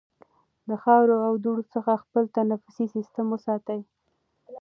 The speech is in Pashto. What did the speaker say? د خاورو او دوړو څخه خپل تنفسي سیستم وساتئ.